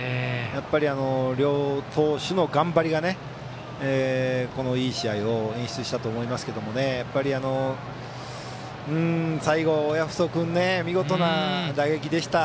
やっぱり両投手の頑張りがこのいい試合を演出したと思いますけどもやっぱり、最後親富祖君が見事な打撃でした。